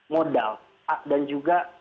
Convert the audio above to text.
modal dan juga